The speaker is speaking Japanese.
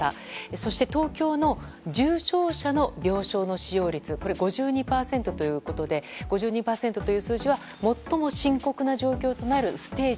そして東京の重症者の病床使用率５２％ということで５２％という数字は最も深刻な状況となるステージ